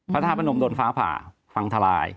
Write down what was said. พระธาตุพนมโดนฟ้าผ่าพังทลาย